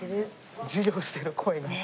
授業してる声が。